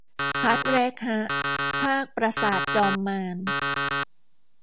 พาร์ทแรกฮะ ภาคปราสาทจอมมาร